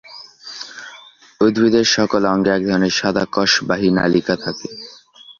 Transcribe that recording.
উদ্ভিদের সকল অঙ্গে এক ধরনের সাদা কষবাহী নালিকা থাকে।